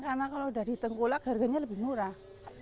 karena kalau sudah ditengkolak harganya lebih murah